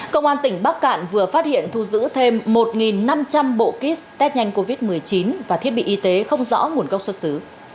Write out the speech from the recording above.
công an tỉnh bắc cạn vừa phát hiện thu giữ thêm một năm trăm linh bộ kit test nhanh covid một mươi chín và thiết bị y tế không rõ nguồn gốc xuất xứ